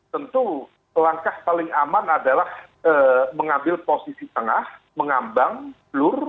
tentu langkah paling aman adalah mengambil posisi tengah mengambang blur